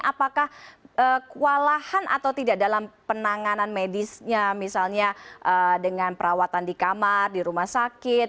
apakah kewalahan atau tidak dalam penanganan medisnya misalnya dengan perawatan di kamar di rumah sakit